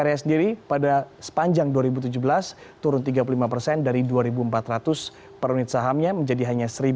ini lebih baik